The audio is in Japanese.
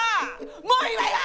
もういいわよ！